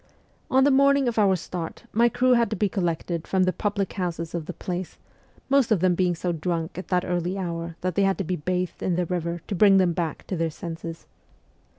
On the morning of our start my crew had to be collected from the public houses of the place, most of them being so drunk at that early hour that they had to be bathed in the river to bring them back to their senses.